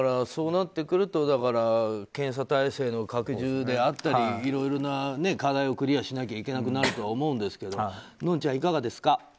そうなってくると検査体制の拡充であったりいろいろな課題をクリアしなきゃいけなくなるとは思うんですけどのんちゃん、いかがですか？